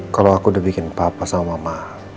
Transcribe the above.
kalau aku udah bikin papa sama mama